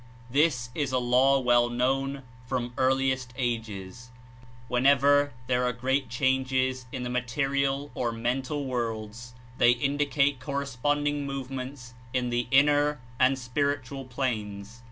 This Is a law well known from earliest ages. Whenever there are great changes in the material or mental worlds, they Indicate corresponding movements in the Inner and spiritual planes.